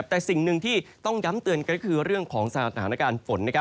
แต่สิ่งหนึ่งที่ต้องย้ำเตือนกันก็คือเรื่องของสถานการณ์ฝน